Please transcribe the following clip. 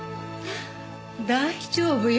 大丈夫よ。